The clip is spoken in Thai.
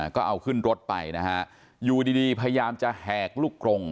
ก็เอาขึ้นรถไปนะฮะอยู่ดีพยายามจะแหกลูกกรง